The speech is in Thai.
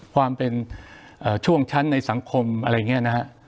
ความเป็นช่วงชั้นในสังคมอะไรอย่างนี้นะฮะ